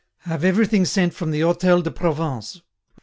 Have everything sent from the Hôtel de Provence.